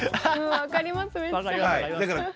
分かります。